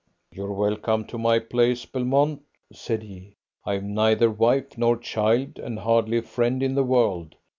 "You're welcome to my place, Belmont," said he. "I've neither wife nor child, and hardly a friend in the world.